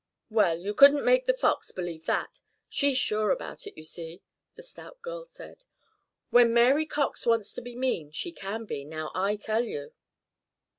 "Well, you couldn't make The Fox believe that. She's sure about it, you see," the stout girl said. "When Mary Cox wants to be mean, she can be, now I tell you!"